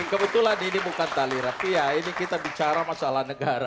kebetulan ini bukan tali rafia ini kita bicara masalah negara